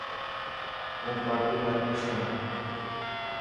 هون پارٽي لاءِ خوش هان.